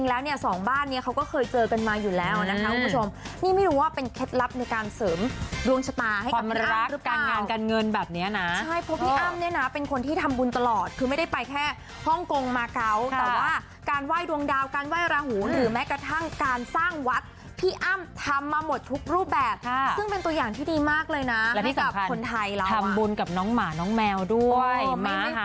แบบเนี้ยน่ะใช่เพราะพี่อ้ำเนี้ยน่ะเป็นคนที่ทำบุญตลอดคือไม่ได้ไปแค่ฮ่องกงมาเกาะแต่ว่าการไหว้ดวงดาวการไหว้ระหูหรือแม้กระทั่งการสร้างวัดพี่อ้ำทำมาหมดทุกรูปแบบค่ะซึ่งเป็นตัวอย่างที่ดีมากเลยน่ะแล้วที่สำคัญให้กับคนไทยแล้วอ่ะทำบุญกับน้องหมาน้องแมวด้วยโอ้